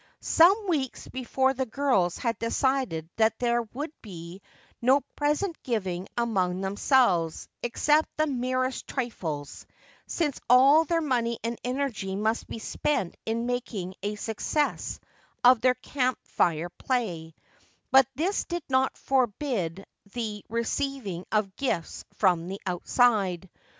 Some weeks before the girls had decided that there would be no present giving among themselves except the merest trifles, since all their money and energy must be spent in making a success of their Camp Fire play, but this did not forbid the receiving of gifts from the outside.